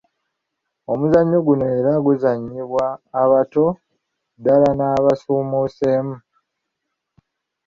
Omuzannyo guno era guzannyibwa abato ddala n’abasuumuuseemu.